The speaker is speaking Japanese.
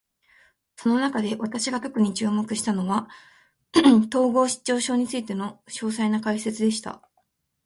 その中で、私が特に注目したのは、統合失調症についての詳細な解説でした。